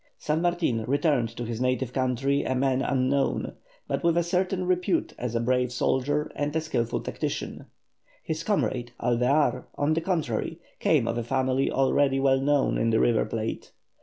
San Martin returned to his native country a man unknown, but with a certain repute as a brave soldier and a skilful tactician. His comrade, Alvear, on the contrary, came of a family already well known in the River Plate.